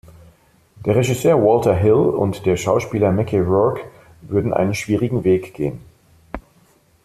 Der Regisseur Walter Hill und der Schauspieler Mickey Rourke würden einen schwierigen Weg gehen.